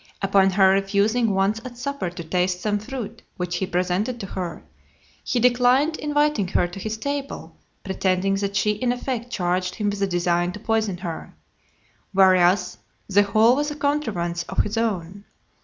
Upon her refusing once at supper to taste some fruit which he presented to her, he declined inviting her to his table, pretending that she in effect charged him with a design to poison her; whereas the whole was a contrivance of his own.